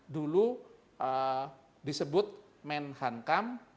dulu disebut menhan kam